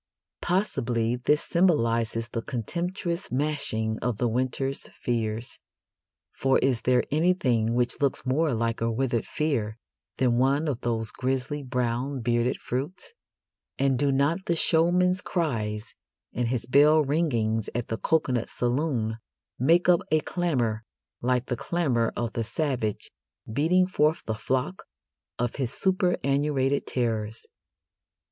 Possibly this symbolises the contemptuous smashing of the winter's fears, for is there anything which looks more like a withered fear than one of those grisly brown bearded fruits? And do not the showman's cries and his bell ringings at the coconut saloon make up a clamour like the clamour of the savage beating forth the flock of his superannuated terrors?